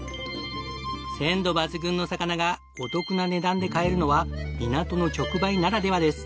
鮮度抜群の魚がお得な値段で買えるのは港の直売ならではです。